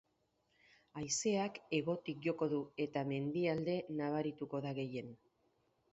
Haizeak hegotik joko du eta mendialde nabarituko da gehien.